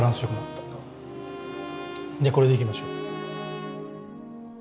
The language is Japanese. じゃあこれでいきましょう。